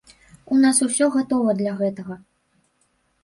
У нас усё гатова для гэтага.